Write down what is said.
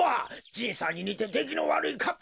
じいさんににてできのわるいかっぱじゃの。